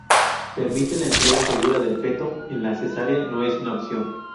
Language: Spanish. Permite la entrega segura del feto en la cesárea no es una opción.